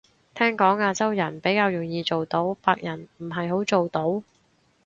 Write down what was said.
聽講亞洲人比較容易做到，白人唔係好做到